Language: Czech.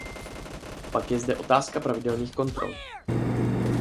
Pak je zde otázka pravidelných kontrol.